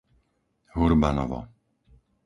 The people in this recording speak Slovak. Hurbanovo